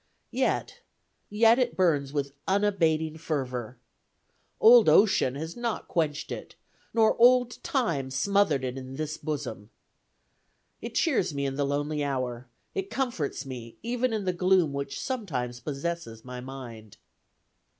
Yet, yet it burns with unabating fervor. Old Ocean has not quenched it, nor old Time smothered it in this bosom. It cheers me in the lonely hour; it comforts me even in the gloom which sometimes possesses my mind."